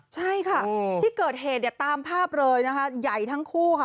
ใช่ค่ะที่เกิดเหตุเนี่ยตามภาพเลยนะคะใหญ่ทั้งคู่ค่ะ